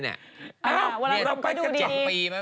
เราไปก็๒ปีมั้ย